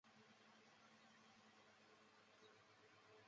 比尔格韦斯滕霍夫是奥地利下奥地利州诺因基兴县的一个市镇。